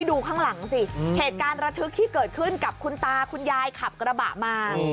ดูข้างหลังสิเหตุการณ์ระทึกที่เกิดขึ้นกับคุณตาคุณยายขับกระบะมา